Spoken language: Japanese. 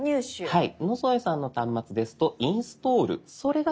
はい。